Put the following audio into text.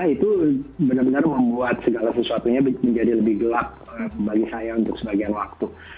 itu benar benar membuat segala sesuatunya menjadi lebih gelap bagi saya untuk sebagian waktu